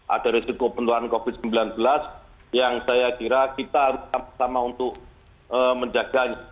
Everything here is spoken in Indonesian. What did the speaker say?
ada risiko penuhan covid sembilan belas yang saya kira kita harus bersama untuk menjaga